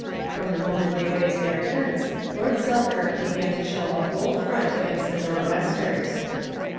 From the moment they raised their tents Lord Selkirk began to show a bold front against the Nor'westers.